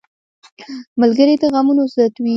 ملګری د غمونو ضد وي